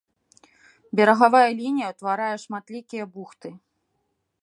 Берагавая лінія ўтварае шматлікія бухты.